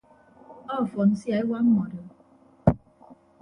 Ọfọn sia ewa mmọdo.